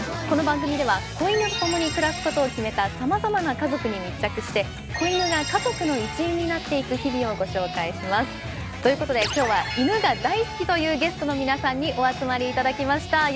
この番組では子犬と共に暮らすことを決めたさまざまな家族に密着して子犬が家族の一員になっていく日々をご紹介します。ということで今日は犬が大好きというゲストの皆さんにお集まりいただきました。